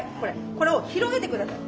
これを広げて下さい。